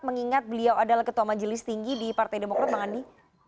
mengingat beliau adalah ketua majelis tinggi di partai demokrat bang andi